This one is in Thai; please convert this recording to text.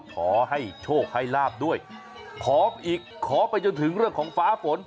ขอให้โชคให้ลาบด้วยขออีกขอไปจนถึงเรื่องของฟ้าฝน